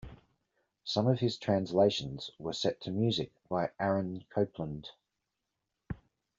Some of his translations were set to music by Aaron Copland.